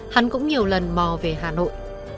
hắn cũng nhiều lần mò về hà nội